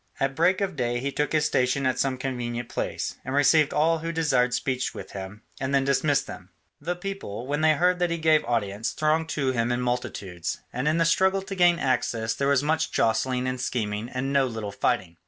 At break of day he took his station at some convenient place, and received all who desired speech with him, and then dismissed them. The people, when they heard that he gave audience, thronged to him in multitudes, and in the struggle to gain access there was much jostling and scheming and no little fighting.